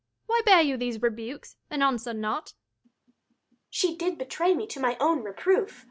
Why bear you these rebukes, and answer not? Adr. She did betray me to my own reproof.